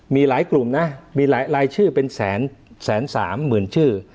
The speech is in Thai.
มีหลายกลุ่มนะมีหลายชื่อเป็นแสนสามหมื่นชื่อ